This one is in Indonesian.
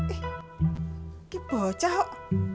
ini bocah kok